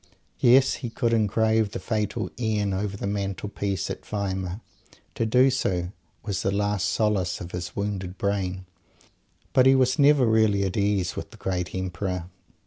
Yes, he could engrave that fatal "N" over his mantlepiece at Weimar to do so was the last solace of his wounded brain. But he was never really at ease with the great Emperor.